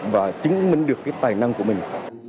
và chứng minh được cái tài năng của mình